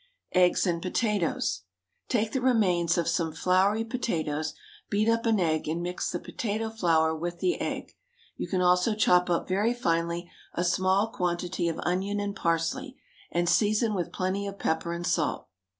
EGGS AND POTATOES. Take the remains of some floury potatoes, beat up an egg, and mix the potato flour with the egg. You can also chop up very finely a small quantity of onion and parsley, and season with plenty of pepper and salt.